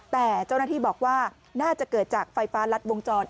แต่เจ้าหน้าที่บอกว่าน่าจะเกิดจากไฟฟ้ารัดวงจร